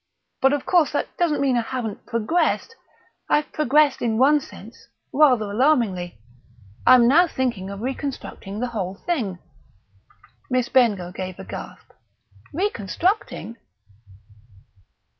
But, of course, that doesn't mean I haven't progressed. I've progressed, in one sense, rather alarmingly. I'm now thinking of reconstructing the whole thing." Miss Bengough gave a gasp. "Reconstructing!"